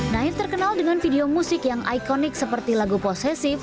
naif terkenal dengan video musik yang ikonik seperti lagu posesif